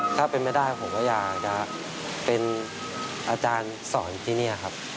ถ้าเป็นไม่ได้ผมก็อยากจะเป็นอาจารย์สอนอยู่ที่นี่ครับ